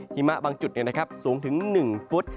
หิมะบางจุดสูงถึง๑ฟุต